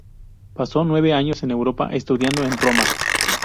Pasó nueve años en Europa, estudiando en Roma.